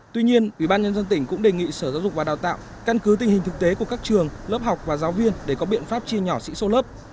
tuy nhiên ủy ban nhân dân tỉnh cũng đề nghị sở giáo dục và đào tạo căn cứ tình hình thực tế của các trường lớp học và giáo viên để có biện pháp chia nhỏ sĩ sâu lớp